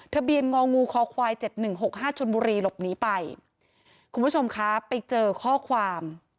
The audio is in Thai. องูคอควายเจ็ดหนึ่งหกห้าชนบุรีหลบหนีไปคุณผู้ชมคะไปเจอข้อความ